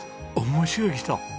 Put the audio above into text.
面白い人！